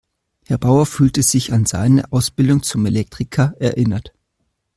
Herr Bauer fühlte sich an seine Ausbildung zum Elektriker erinnert.